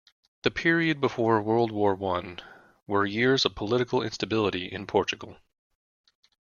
The period before World War One, were years of political instability in Portugal.